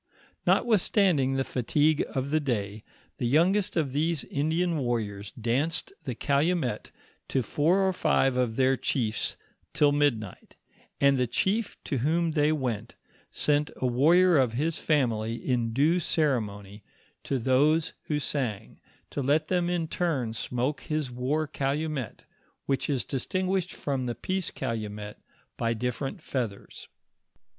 Notwithstanding the fatigue of the day, the young est of these Indian warriors danced the calumet to four or or five of their chiefs till midnight, and the chief to whom they went, sent a warrior of his family in due ceremony to b ti DISOOVKBrSS IN THE MISSISSIPPI YALLET. 119 those who sang, to let them in turn smoke his war calumet, which is distinguished from the peace calumet by different feathers.